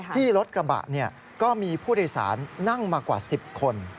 ที่รถกระบะก็มีผู้โดยสารนั่งมากว่า๑๐คน